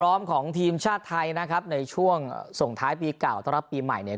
พร้อมของทีมชาติไทยนะครับในช่วงส่งท้ายปีเก่าต้อนรับปีใหม่เนี่ย